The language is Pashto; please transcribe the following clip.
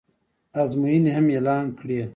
ازموینې هم اعلان کړې